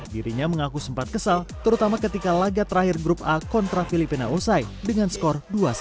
dirinya mengaku sempat kesal terutama ketika laga terakhir grup a kontra filipina usai dengan skor dua satu